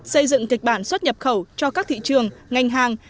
xây dựng kịch bản xuất nhập khẩu cho các thị trường ngành hàng